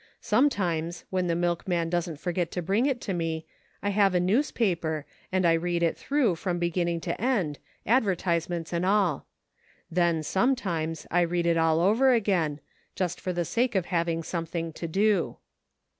Some times, when the milkman doesn't forget to bring it to me, I have a newspaper, and I read it through, from beginning to end, advertisements and all. Then, sometimes, I read it all over again ; just for the sake of having something to do."